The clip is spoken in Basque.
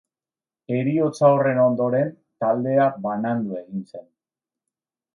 Heriotza horren ondoren, taldea banandu egin zen.